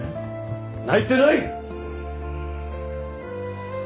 泣いてない！